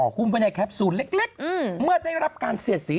คุ้มไปในแคปซูลเล็กเมื่อได้รับการเสียดสี